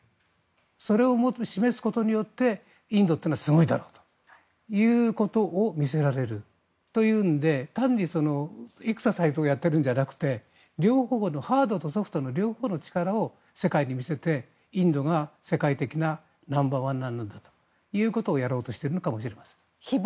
それを示すことによってインドというのはすごいだろうということを見せられるというので単にエクササイズをやっているんじゃなくてハードとソフトの両方の力を世界に見せてインドが世界的なナンバーワンなんだということをやろうとしているのかもしれません。